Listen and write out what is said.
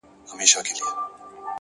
علم د عقل جوړښت پیاوړی کوي.!